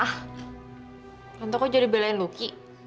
tante kok jadi belain luki